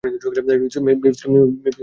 মেভিসকে কিছু বলবে না।